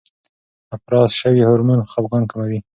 افراز شوی هورمون خپګان کموي.